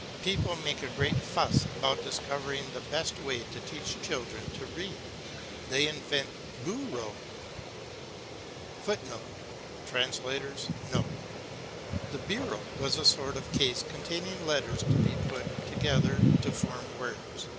People make a great fuss about discovering the beat way to teach children to read. They invent "bureaux" [Footnote: Translator's note. The "bureau" was a sort of case containing letters to be put together to form words.